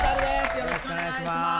よろしくお願いします。